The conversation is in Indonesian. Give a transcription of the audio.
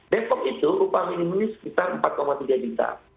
depok itu rupa minim ini sekitar empat tiga juta